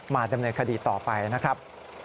ดำเนินคดีต่อไปนะครับ